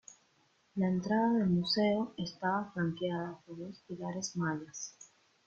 La entrada del museo estaba flanqueada por dos pilares mayas.